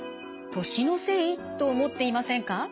「年のせい？」と思っていませんか？